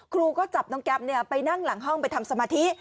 ครูก็จับน้องแก๊ปไปนั่งหลังห้องไปทำสมาธิ